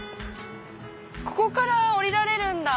ここから下りられるんだ。